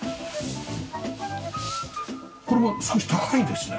これは少し高いですね。